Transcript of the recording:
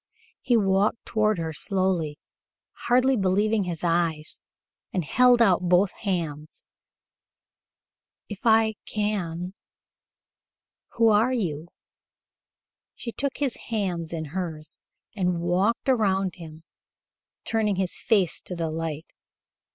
He walked toward her slowly, hardly believing his eyes, and held out both hands. "If I can. Who are you?" She took his hands in hers and walked around him, turning his face to the light.